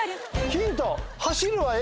ヒント！